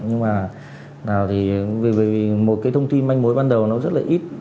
nhưng mà nào thì vì một cái thông tin manh mối ban đầu nó rất là ít